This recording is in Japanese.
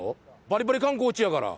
バリバリ観光地やから。